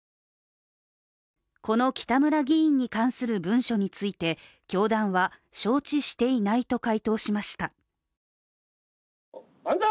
この北村議員に関する文書について、教団は、承知していないと回答しました。